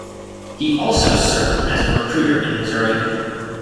He also served as a recruiter in Missouri.